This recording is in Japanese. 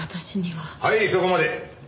はいそこまで！